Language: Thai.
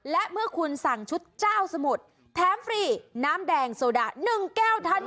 และเมื่อคุณสั่งชุดเจ้าสมุทรแถมฟรีน้ำแดงโซดา๑แก้วทัน